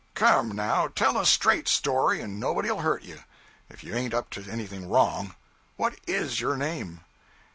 Come, now, tell a straight story, and nobody'll hurt you, if you ain't up to anything wrong. What is your name?'